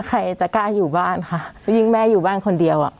ใครจะกล้าอยู่บ้านค่ะก็ยิ่งแม่อยู่บ้านคนเดียวอ่ะ